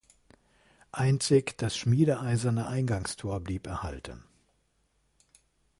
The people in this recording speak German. Einzig das schmiedeeiserne Eingangstor blieb erhalten.